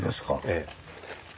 ええ。